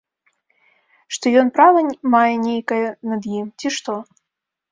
Што ён права мае нейкае над ім, ці што?